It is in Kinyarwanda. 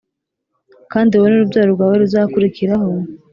Kandi wowe n urubyaro rwawe ruzakurikiraho